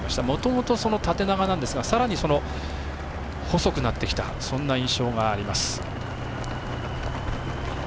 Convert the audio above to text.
もともと縦長なんですがさらに細くなってきた印象があります。